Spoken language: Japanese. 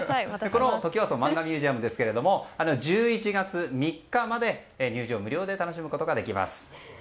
このトキワ荘マンガミュージアムですが１１月３日まで入場無料で楽しむことができます。